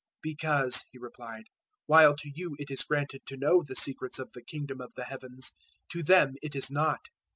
013:011 "Because," He replied, "while to you it is granted to know the secrets of the Kingdom of the Heavens, to them it is not.